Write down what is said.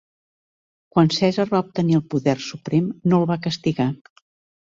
Quan Cèsar va obtenir el poder suprem no el va castigar.